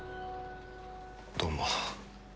どうも。